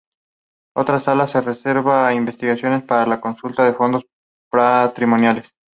Otra sala está reservada a investigadores para la consulta de fondos patrimoniales.